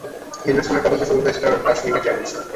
হেন্ডারসনের তদন্ত শুরু হয়েছিল দার্শনিকের চেয়ারে বসে।